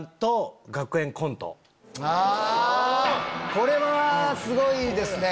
これはすごいですね。